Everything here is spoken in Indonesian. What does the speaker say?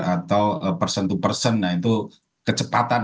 atau person to person nah itu kecepatan